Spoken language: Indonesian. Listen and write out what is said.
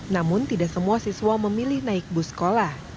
namun tidak semua siswa memilih naik bus sekolah